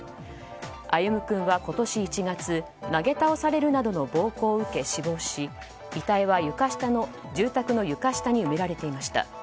歩夢君は今年１月投げ倒されるなどの暴行を受け死亡し遺体は住宅の床下に埋められていました。